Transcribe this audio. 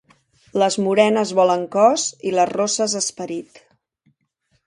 Les morenes volen cos i les rosses esperit.